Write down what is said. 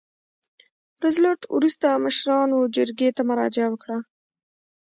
روزولټ وروسته مشرانو جرګې ته مراجعه وکړه.